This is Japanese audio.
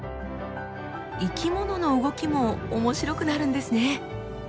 生き物の動きも面白くなるんですね！